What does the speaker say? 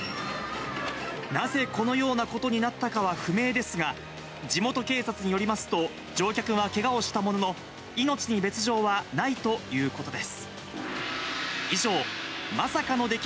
なぜこのようなことになったかは不明ですが、地元警察によりますと、乗客はけがをしたものの、命に別状はないということです。